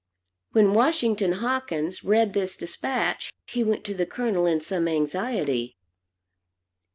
When Washington Hawkins read this despatch, he went to the Colonel in some anxiety.